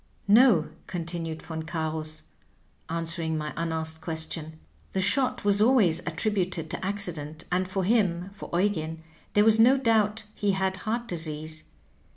No," continued Von Oarus, answering my unasked question, ^'the shot was always attributed to accident, and for him (for Eugen) there was no doubt he had heart disease.